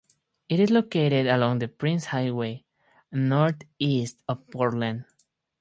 It is located along the Princes Highway, north-east of Portland.